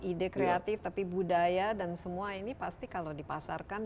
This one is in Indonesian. ide kreatif tapi budaya dan semua ini pasti kalau dipasarkan